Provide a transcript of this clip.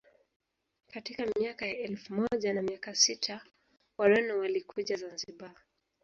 Katika miaka ya elfu moja na mia sita Wareno walikuja Zanzibar